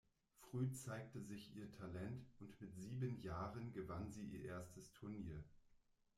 Früh zeigte sich ihr Talent und mit sieben Jahren gewann sie ihr erstes Turnier.